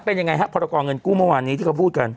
เป็นยังไงฮะพรกรเงินกู้เมื่อวานนี้ที่เขาพูดกัน